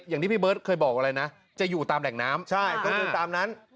อย่างที่พี่เบิร์ตเคยบอกอะไรนะจะอยู่ตามแหล่งน้ำใช่ต้องเดินตามนั้น